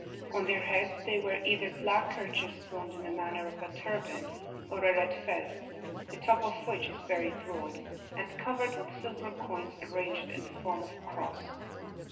On their heads they wear either black kerchiefs wound in the manner of a turban, or a red fez, the top of which is very broad, and covered with silver coins arranged in the form of a cross.